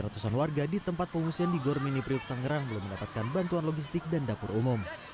ratusan warga di tempat pengungsian di gor mini priuk tangerang belum mendapatkan bantuan logistik dan dapur umum